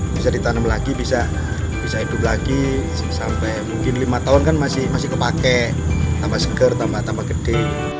bisa ditanam lagi bisa hidup lagi sampai mungkin lima tahun kan masih kepake tambah seger tambah tambah gede